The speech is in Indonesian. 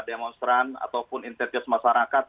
demonstran ataupun intetis masyarakat